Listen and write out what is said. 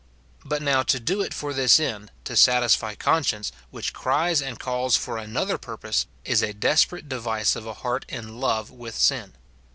But now to do it for this end, to satisfy conscience, which cries and calls for an other purpose, is a desperate device of a heart in love with sin.